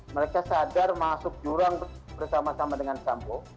mereka sadar masuk jurang bersama sama dengan sampo